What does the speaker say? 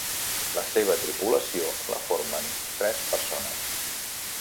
La seva tripulació la formen tres persones.